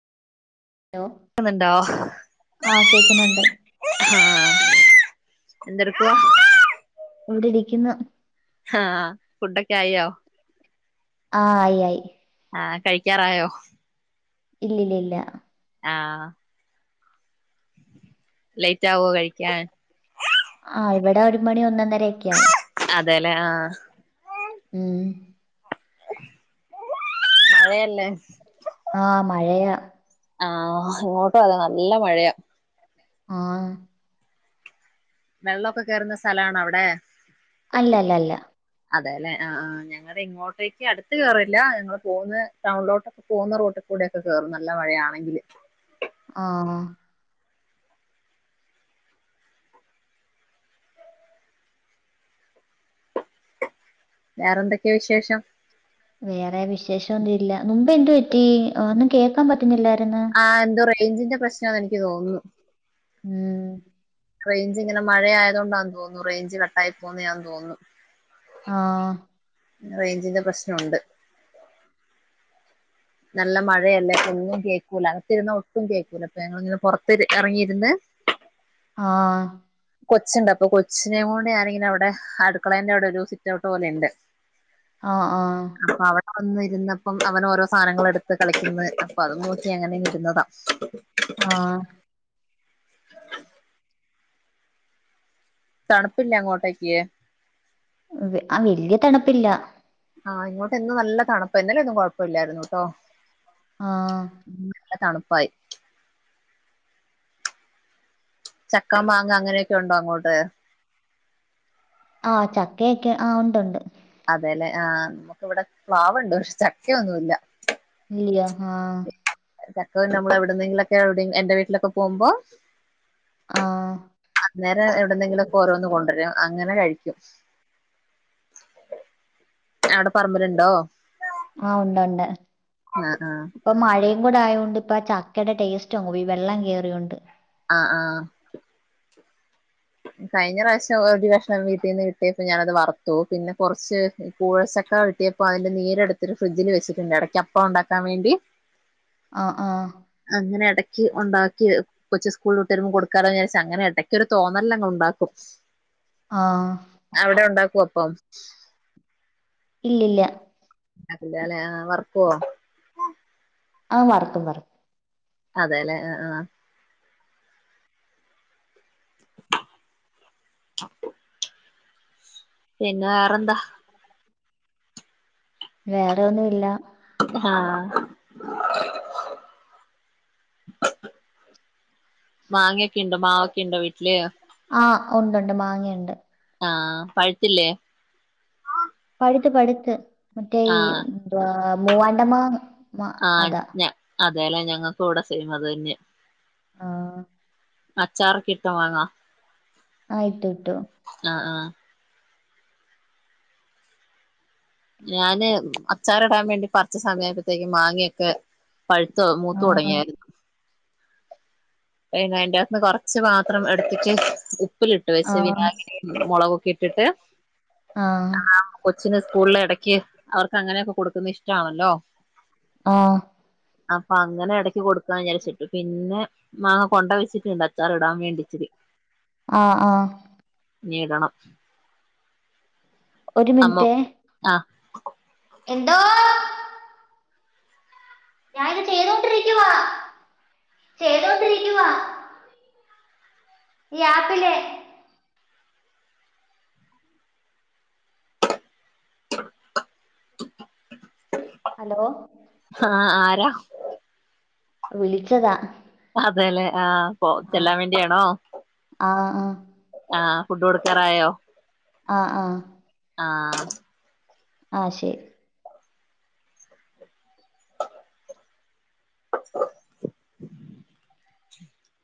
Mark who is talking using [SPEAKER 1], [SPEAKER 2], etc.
[SPEAKER 1] Hello
[SPEAKER 2] ക്ക്ന്നുണ്ടോ
[SPEAKER 1] ആഹ് കേക്കുന്നുണ്ട്
[SPEAKER 2] ആഹ് എന്തെടുകുവാ
[SPEAKER 1] ഇവ്ടെ ഇരിക്കുന്നു
[SPEAKER 2] ആഹ് ഫുഡൊക്കെ ആയോ?
[SPEAKER 1] ആഹ ആയി ആയി
[SPEAKER 2] ആഹ് കഴിക്കാറായോ?
[SPEAKER 1] ഇല്ലെ ലില്ല
[SPEAKER 2] ആഹ് ലൈറ്റ് ആവോ കഴിക്ക്യാൻ
[SPEAKER 1] ആഹ് ഇവിടെ ഒരു മണി ഒന്നൊന്നരകെ ആവും
[SPEAKER 2] അതേലേ ആഹ്
[SPEAKER 1] ഉം
[SPEAKER 2] [inaudible] മഴയെല്ലേ?
[SPEAKER 1] ആഹ് മഴെയാ
[SPEAKER 2] ആഹ് ഇങ്ങോട്ടും അതെ നല്ലെ മഴെയാ
[SPEAKER 1] ഓയേ
[SPEAKER 2] വെള്ളൊക്കെ കേറുന്ന സ്ഥലാണോ അവ്ടെ
[SPEAKER 1] അല്ലെ ല്ലെ ല്ലാ
[SPEAKER 2] അതേലേ ആഹ് ആ ഞങ്ങളെ ഇങ്ങോട്ടേക്ക് അട്ത്ത് കേറേല്ല ഞങ്ങള് പോക്കുന്നെ ടൗൺലോട്ടൊക്കെ പോകുന്ന റോട്ട്ക്ക് കൂടെയൊക്കെ കേറും നല്ലെ മഴെയാണെങ്കില്
[SPEAKER 1] ആഹ് ഹാ
[SPEAKER 2] വേറെ എന്തൊക്കെ വിശേഷം
[SPEAKER 1] വേറെ വിശേഷം ഒന്നും ഇല്ല മുമ്പ് എന്തു പറ്റി ഒന്നും കേക്കാൻ പറ്റുന്നില്ലാര്ന്ന്
[SPEAKER 2] ആഹ് എന്തോ റേഞ്ചിന്റെ പ്രശ്നാന്ന് എനിക്ക് തോന്നുന്നു
[SPEAKER 1] ഉം
[SPEAKER 2] റൈഞ്ച് ങ്ങനെ മഴയായതേണ്ടാന്നു തോന്നുന്നു റൈഞ്ച് കട്ടായി പോകുന്നതാന്ന് തോന്നുന്നു.
[SPEAKER 1] ആഹ്
[SPEAKER 2] റൈഞ്ചിന്റെ പ്രശ്നൊണ്ട് നല്ലെ മഴയല്ലേ ഒന്നും കേക്കൂല അകത്തിരുന്ന ഒട്ടും കേക്കൂലാ അപ്പൊ ഞങ്ങളിങ്ങനെ പെർത്ത് എറങ്ങിയിരുന്ന്
[SPEAKER 1] ആഹ
[SPEAKER 2] കൊച്ച്ണ്ട് അപ്പൊ കൊച്ചിനെ കൊണ്ട് ഞാനിങ്ങനെ അവിടെ അടുക്കളൻ്റെ അവിടെ ഒരു സിറ്റൗട്ട് പോലെണ്ട് [inaudible]
[SPEAKER 1] ആഹ് ആഹാ
[SPEAKER 2] അവടെ വന്നിഇരുന്നപ്പം അവന് ഓരോ സാധനങ്ങള് എടുത്ത് കളിക്കുന്നത് അപ്പൊ, അത് നോക്കി അങ്ങനെ ഇരുന്നതാ
[SPEAKER 1] ആഹ്
[SPEAKER 2] തണുപ്പിലേ അങ്ങോട്ടേക്ക്
[SPEAKER 1] അതെ ആഹ് വല്യയ തണുപ്പില്ലാ
[SPEAKER 2] ആഹ്, ഇങ്ങോട്ടെന്നും നല്ലതാണുപ്പാ. ഇന്നലെന്നും കുഴപ്പല്ലായിരുന്നു കേട്ടോ.
[SPEAKER 1] ആഹ്.
[SPEAKER 2] നല്ല തണുപ്പായി. ചക്കാ, മാങ്ങ, അങ്ങനെയൊക്കെയുണ്ടോ അങ്ങോട്ട്.
[SPEAKER 1] ആ ചക്കയൊക്കെ ആഹ് ഉണ്ട്, ഉണ്ട്,
[SPEAKER 2] അതെലെ ആഹ് നമുക്ക് ഇവിടെ പ്ലാവുണ്ട് പക്ഷെ ചക്കയൊന്നുല്ല.
[SPEAKER 1] ഇല്ല്യ ആഹ്.
[SPEAKER 2] ചക്ക പിന്നെ നമ്മള് എവിട്ന്നെങ്കിലൊക്കെ. എന്റെ വീട്ടിലൊക്കെ പോകുമ്പോ.
[SPEAKER 1] ആഹ്.
[SPEAKER 2] അന്നേരം എവിട്ന്നെങ്കിലെക്കെ ഓരോന്ന് കൊണ്ടരും. അങ്ങനെ കഴിക്കും. അടെ പറമ്പില്ണ്ടോ?
[SPEAKER 1] ആഹ്, ഉണ്ട്, ഒണ്ട്.
[SPEAKER 2] ആഹ്
[SPEAKER 1] ഇപ്പൊ മഴേം കൂടെ ആയോണ്ട് പ്പൊ ആ ചക്കേടെ ടേസ്റ്റ് അങ്ങ് പേയി വെള്ളം കേറിയോണ്ട്.
[SPEAKER 2] ആഹ് ആഹ് കഴിഞ്ഞ റാശം ഒരു കഷ്ണം വീട്ടീന്ന് കിട്ടിയപ്പോ ഞാനത് വറുത്തു. പിന്നെ കൊർച്ച്. പൂളച്ചക്ക വെട്ടിയപ്പോ അയിന്റെ നീരെടുത്തിട്ട് ഫ്രിഡ്ജിൽ വെച്ചിട്ടുണ്ട്. ഇടക്ക് അപ്പം ണ്ടാക്കാൻ വേണ്ടി.
[SPEAKER 1] ആ ആഹ്.
[SPEAKER 2] അങ്ങനെ എടക്ക് ഉണ്ടാക്കി കൊച്ച് സ്കൂൾ വിട്ട് വരുമ്പോൾ കൊടുക്കാലോ വിചാരിച്ച് അങ്ങന ഇടക്കൊരു തോന്ന നെല്ലക്ക ഉണ്ടാക്കും.
[SPEAKER 1] ആഹ്.
[SPEAKER 2] അവടെ ഉണ്ടാക്കും അപ്പം.
[SPEAKER 1] ഇല്ലില്ല.
[SPEAKER 2] അത് ഇല്ലലെ വർക്കോ
[SPEAKER 1] അതങ്ങ് വറ്ക്കും
[SPEAKER 2] അതെലെ ആ ആ. പിന്നെ വേറെന്താ.
[SPEAKER 1] വേറെന്നുംല്ല.
[SPEAKER 2] ആഹ്. മാങ്ങൊക്കെണ്ടോ, മാവൊക്കെണ്ടോ, വീട്ടില്.
[SPEAKER 1] ആഹ് ഉണ്ട്, ണ്ട്, മാങ്ങയുണ്ട്.
[SPEAKER 2] ആഹ് പഴുത്തില്ലേ.
[SPEAKER 1] പഴുത്ത് പഴുത്ത് മറ്റെ ഈ
[SPEAKER 2] ആഹ്
[SPEAKER 1] ന്തുവാ മൂവാണ്ടമാ.
[SPEAKER 2] ആഹ് ക്ഞ അതെ ല്ലെ ഞങ്ങൾക്ക് ഇവീടെ സെയ്മതെന്നെ.
[SPEAKER 1] ആഹ്.
[SPEAKER 2] അച്ചാറ്ക്കിട്ട മാങ്ങാ.
[SPEAKER 1] ആ ഇട്ടു ഇട്ടു.
[SPEAKER 2] അ ആഹ്. ഞാന് അച്ചാർടാൻ വേണ്ടി പറിച്ച സമയാപ്പത്തേക്ക് മാങ്ങയൊക്കെ, പഴുത്ത് മൂത്ത്
[SPEAKER 1] ആഹ്
[SPEAKER 2] തുടങ്ങിയായിരുന്നു, പിന്നയ്ന്ടാത്ത്ന്ന് കൊറച്ച് മാത്രം എടുത്തിട്ട്, ഉപ്പിലിട്ട് വെച്ച്
[SPEAKER 1] ആഹ്
[SPEAKER 2] വിനാഗിരി, മുളകൊക്കെ ഇട്ടിട്ട്,
[SPEAKER 1] ആഹ്,
[SPEAKER 2] ആ കൊച്ചിന് സ്കൂളില് എടക്ക് അവർക്ക് അങ്ങനെയൊക്കെ കൊടുക്കുന്ന ഇഷ്ടാണല്ലോ,
[SPEAKER 1] ആഹ്,
[SPEAKER 2] അപ്പൊ അങ്ങനെ ഇടക്ക് കൊടുക്കാം വിചാരിച്ചിട്ടു, പിന്നെ, മാങ്ങ കൊണ്ട വെച്ചിട്ടുണ്ട് അച്ചാറിടാൻ വേണ്ടിച്ചിരി
[SPEAKER 1] ആഹ് ആഹ്
[SPEAKER 2] നിടണം
[SPEAKER 1] ഒരു
[SPEAKER 2] അമ്മ
[SPEAKER 1] മിനിറ്റേ
[SPEAKER 2] ആഹ്
[SPEAKER 1] എന്തോ? ഞാനിത് ചെയ്തൊണ്ടിരിക്കുവാ ചെയ്തൊണ്ടിരിക്കുവാ ഈ ആപ്പിലെ ഹലോ
[SPEAKER 2] ആഹ് ആരാ?
[SPEAKER 1] വിളിച്ചതാ
[SPEAKER 2] അതെല്ലേ ആഹ് പോ
[SPEAKER 1] ആഹ്
[SPEAKER 2] ചെല്ലാൻ വേണ്ടിയാണോ?
[SPEAKER 1] ആഹ് ആഹ്
[SPEAKER 2] ആഹ് ഫുഡ് കൊടുക്കാറായോ?
[SPEAKER 1] ആഹ് ആഹ്
[SPEAKER 2] ആഹ്
[SPEAKER 1] ആഹ് ശെരി